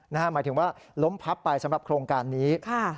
หมายถึงว่าล้มพับไปสำหรับโครงการนี้